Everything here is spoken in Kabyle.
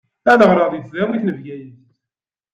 Ad ɣṛeɣ di tesdawit n Bgayet.